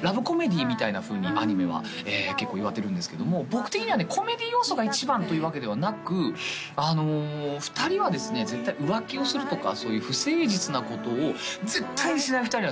ラブコメディーみたいなふうにアニメは結構いわれてるんですけども僕的にはねコメディー要素が一番というわけではなく２人はですね絶対浮気をするとかそういう不誠実なことを絶対にしない２人なんですよ